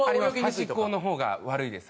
端っこの方が悪いです。